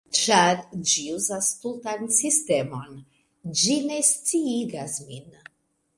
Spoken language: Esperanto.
Ĉar ĝi uzas stultan sistemon... ĝi ne sciigas min